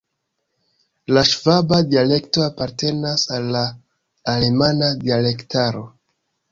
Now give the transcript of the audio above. La ŝvaba dialekto apartenas al la alemana dialektaro.